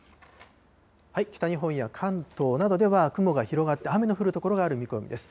北日本や関東などでは雲が広がって、雨の降る所がある見込みです。